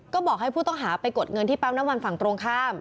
ก็บอกให้ผู้ต้องหาไปกดเงินที่ปั๊มน้ำมันฝั่งตรงข้าม